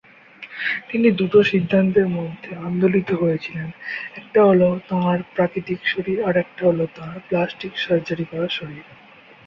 তিনি দুটো সিদ্ধান্তের মধ্যে আন্দোলিত হয়েছিলেন একটা হল তাঁর প্রাকৃতিক শরীর এবং আরেকটা হল তাঁর প্লাস্টিক সার্জারি করা শরীর।